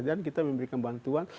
dan kita memberikan bantuan